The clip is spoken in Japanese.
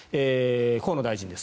河野大臣です。